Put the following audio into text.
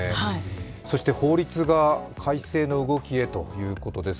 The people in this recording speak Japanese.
そして法律が改正の動きへということです。